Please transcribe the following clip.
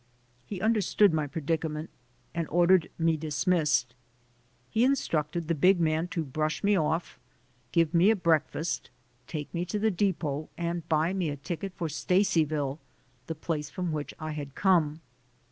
He understood my predicament and ordered me dismissed. He instructed the big man to brush me off, give me a breakfast, take me to the depot and buy me a ticket for Stacyville, the place from which I had come.